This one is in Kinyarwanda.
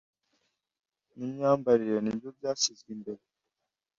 n’imyambarire ni byo byashyizwe imbere